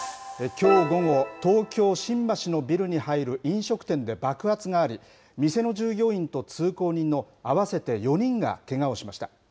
きょう午後、東京・新橋のビルに入る飲食店で爆発があり、店の従業員と通行人の合わせて４人がけがをしました。